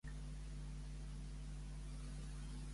De quins tres procediments parla en text?